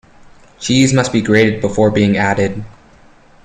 Cheese must be grated before being added.